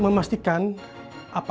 terima kasih bank